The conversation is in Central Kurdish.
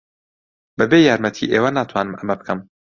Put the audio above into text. بەبێ یارمەتیی ئێوە ناتوانم ئەمە بکەم.